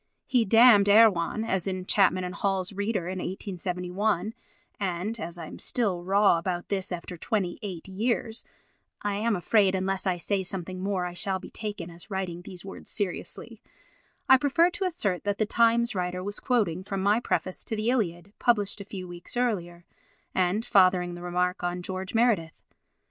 He damned Erewhon, as Chapman and Hall's reader, in 1871, and, as I am still raw about this after 28 years, (I am afraid unless I say something more I shall be taken as writing these words seriously) I prefer to assert that the Times writer was quoting from my preface to the Iliad, published a few weeks earlier, and fathering the remark on George Meredith.